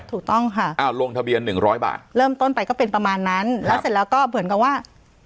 ถูกต้องค่ะอ้าวลงทะเบียนหนึ่งร้อยบาทเริ่มต้นไปก็เป็นประมาณนั้นแล้วเสร็จแล้วก็เหมือนกับว่า